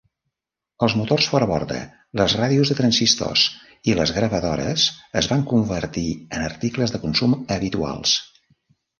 Els motors fora borda, les ràdios de transistors i les gravadores es van convertir en articles de consum habituals.